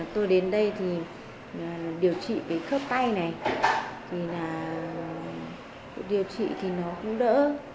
tôi đến đây thì điều trị với khớp tay này điều trị thì nó cũng đỡ